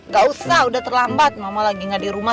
gak usah udah terlambat mama lagi gak dirumah